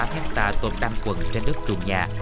tám hecta tôm trăm quần trên đất ruộng nhà